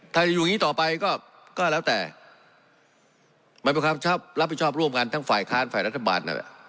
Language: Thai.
ถ้าจะอยู่อย่างนี้ต่อไปก็แล้วแต่มันเป็นความชอบรับผิดชอบร่วมกันทั้งฝ่ายค้านฝ่ายรัฐบาลนั่นแหละ